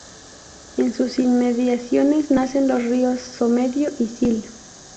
En sus inmediaciones nacen los ríos Somiedo y Sil.